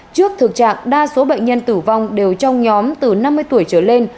trước thực trạng đa số bệnh nhân tử vong đều trong nhóm từ năm mươi tuổi trở lên